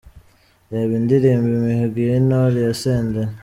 Reba indirimbo " Imihigo y’Intore" ya Senderi.